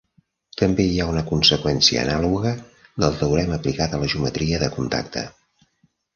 També hi ha una conseqüència anàloga del teorema aplicat a la geometria de contacte.